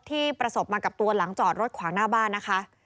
ที่ประสบมากับตัวหลังจอดรถขวางหน้าบ้านนะคะ